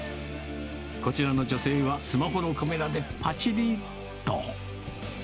こちらの女性は、スマホのカメラでぱちり、と。